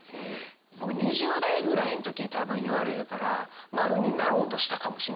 僕２０代ぐらいの時に多分言われてたら円になろうとしたかもしれないです。